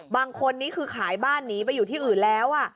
บางคนนี้คือขายบ้านหนีไปอยู่ที่อื่นแล้ว